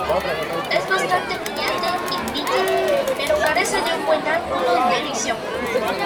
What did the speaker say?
Es bastante brillante y nítida, pero carece de un buen ángulo de visión.